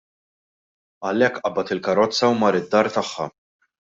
Għalhekk qabad il-karrozza u mar id-dar tagħha.